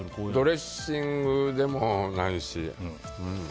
ドレッシングでもないし。